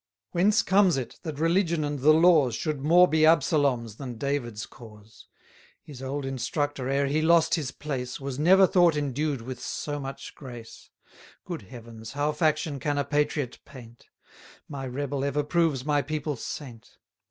Whence comes it, that religion and the laws Should more be Absalom's than David's cause? 970 His old instructor, ere he lost his place, Was never thought endued with so much grace. Good heavens, how faction can a patriot paint! My rebel ever proves my people's saint.